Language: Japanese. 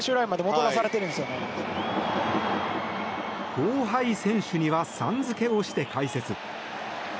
後輩選手にはさん付けをして解説。